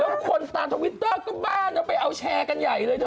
แล้วคนตามทวิตเตอร์ก็บ้านเอาไปเอาแชร์กันใหญ่เลยเธอ